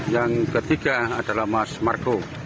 yang ketiga adalah mas marco